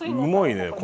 うまいね！